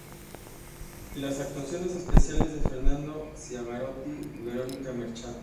Y las actuaciones especiales de Fernando Ciangherotti y Verónica Merchant.